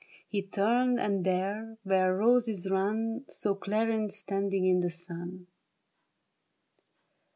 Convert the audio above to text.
He turned, and there, where roses run Saw Clarice standing in the sun.